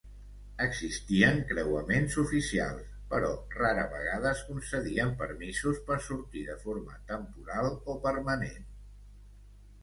Existien creuaments oficials, però rara vegada es concedien permisos per sortir de forma temporal o permanent.